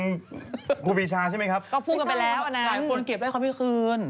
แล้วพูดกันไปกันแล้วอันนั้นหลายคนเก็บได้ควรไม่ได้คืน